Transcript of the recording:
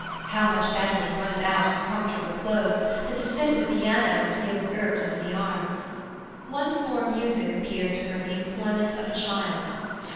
How much better to run about in comfortable clothes than to sit at the piano and feel girt under the arms. Once more music appeared to her the employment of a child.